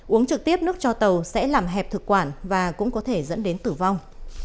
uống trực tiếp nước cho tàu sẽ làm hẹp thực quản và cũng có thể dẫn đến tử vong